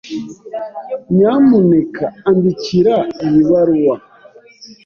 Nyamuneka andikira iyi baruwa.